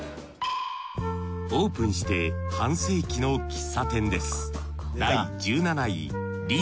オープンして半世紀の喫茶店です